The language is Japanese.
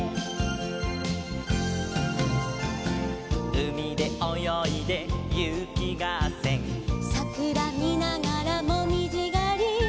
「うみでおよいでゆきがっせん」「さくらみながらもみじがり」